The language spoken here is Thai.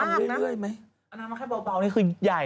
นั่งมาแค่เบานี่คือใหญ่